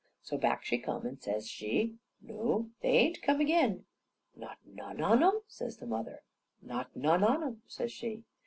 So back she come and says she, "Noo, they ain't come agin." "Not none on 'em?" says the mother. "Not none on 'em," says she.